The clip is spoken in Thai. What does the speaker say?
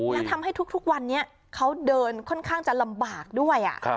และทำให้ทุกวันนี้เขาเดินค่อนข้างจะลำบากด้วย